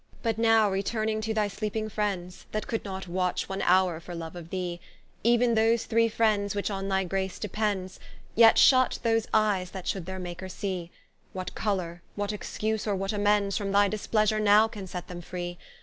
But now returning to thy sleeping Friends, That could not watch one houre for love of thee, Even those three Friends, which on thy Grace depends, Yet shut, those Eies that should their Maker see; What colour, what excuse, or what amends From thy Displeasure now can set them free?